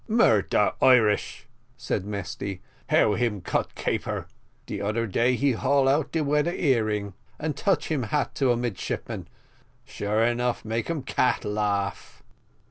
"Murder Irish!" said Mesty "how him cut caper. De oder day he hawl out de weather ear ring, and touch him hat to a midshipman. Sure enough, make um cat laugh."